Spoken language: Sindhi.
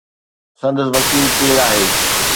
سندس وڪيل ڪير آهي؟